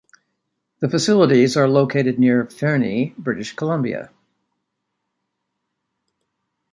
The facilities are located near Fernie, British Columbia.